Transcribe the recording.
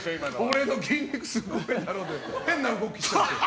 俺の筋肉、すごいだろ！で変な動きしちゃった。